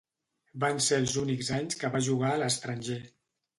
Van ser els únics anys que va jugar a l'estranger.